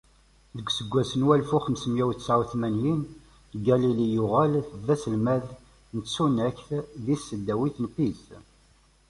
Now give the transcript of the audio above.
Deg useggas n walef u xemsemya u tesεa u tmantin, Galili yuɣal d aselmad n tussnakt di tesdawit n Pise.